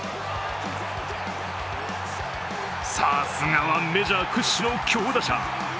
さすがはメジャー屈指の強打者。